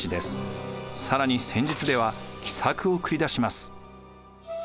更に戦術では奇策を繰り出します。